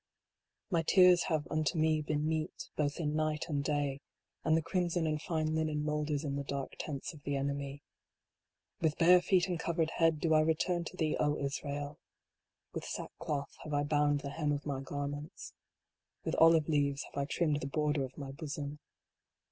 My tears have unto me been meat, both in night and day : And the crimson and fine linen moulders in the dark tents of the enemy. With bare feet and covered head do I return to thee, O Israel ! With sackcloth have I bound the hem of my garments. With olive leaves have I trimmed the border of my bosom.